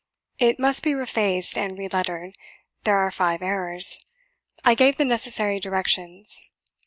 It must be refaced and relettered; there are five errors. I gave the necessary directions.